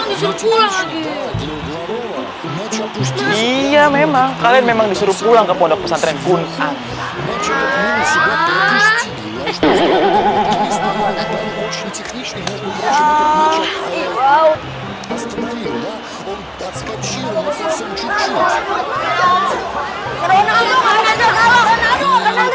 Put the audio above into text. iya memang kalian memang disuruh pulang kepolok pesantren kuning